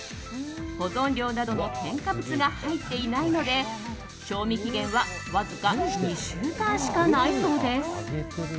保存料などの添加物が入っていないので賞味期限はわずか２週間しかないそうです。